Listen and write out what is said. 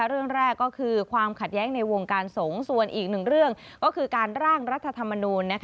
เรื่องแรกก็คือความขัดแย้งในวงการสงฆ์ส่วนอีกหนึ่งเรื่องก็คือการร่างรัฐธรรมนูล